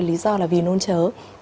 lý do là vì nôn chớ